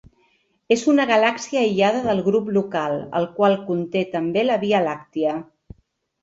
És una galàxia aïllada del Grup Local el qual conté també la Via Làctia.